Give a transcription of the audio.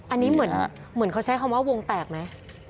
อันนี้เหมือนเขาใช้คำว่าวงแตกไหม